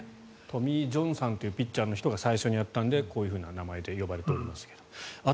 トミー・ジョンさんというピッチャーの人が最初にやったのでこういう名前で呼ばれております。